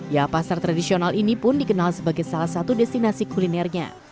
ya pasar tradisional ini pun dikenal sebagai salah satu destinasi kulinernya